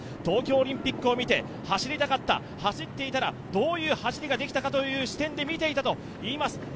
東京オリンピックを見て走りたかった走っていたらどういう走りができていたかという視点で見ていたといいます。